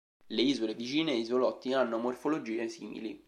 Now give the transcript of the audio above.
Le isole vicine e isolotti hanno morfologie simili.